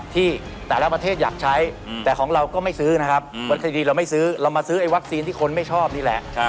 ที่แต่ละประเทศอยากใช้แต่ของเราก็ไม่ซื้อนะครับวันคดีเราไม่ซื้อเรามาซื้อไอ้วัคซีนที่คนไม่ชอบนี่แหละ